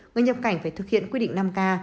người nhập cảnh phải thực hiện quy định năm k